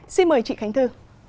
xin mời chị khánh thư